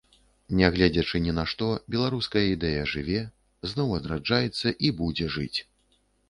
Нягледзячы ні на што, беларуская ідэя жыве, зноў адраджаецца і будзе жыць!